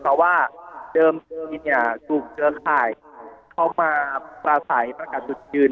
เพราะว่าเดิมทีเนี่ยถูกเครือข่ายเข้ามาปราศัยประกาศจุดยืน